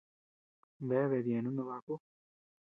Bea bedyenu noo baku.